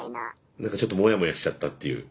何かちょっともやもやしちゃったっていう。